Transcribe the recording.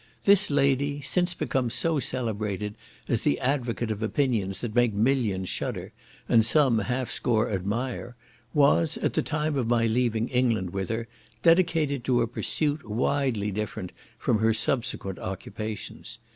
This lady, since become so celebrated as the advocate of opinions that make millions shudder, and some half score admire, was, at the time of my leaving England with her, dedicated to a pursuit widely different from her subsequent occupations.